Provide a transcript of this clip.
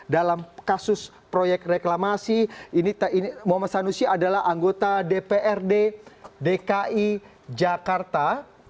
dalam kasus proyek reklamasi muhammad sanusi adalah anggota dprd dki jakarta